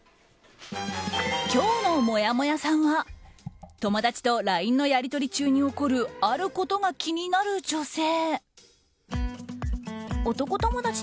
今日のもやもやさんは友達とＬＩＮＥのやりとり中に起こるあることが気になる女性。